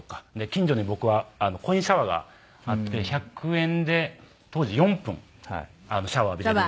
近所に僕はコインシャワーがあって１００円で当時４分シャワー浴びれる。